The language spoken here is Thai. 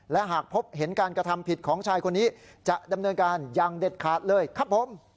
และหากพบเห็นการกระทำผิดของชายคนนี้จะดำเนินการอย่างเด็ดขาดเลยครับผม